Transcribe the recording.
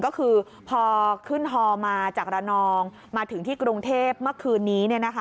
ก็คือพอขึ้นฮอมาจากระนองมาถึงที่กรุงเทพเมื่อคืนนี้